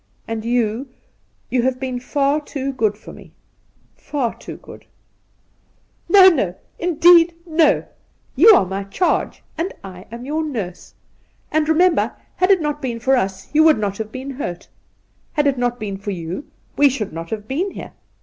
And you — you have been far too good to me — far too good,' ' No, no — indeed no ! You are my charge, and I am your nurse. And, remember, had it not been for us you would not have been Kurt. Had it not been for you we should not have been here.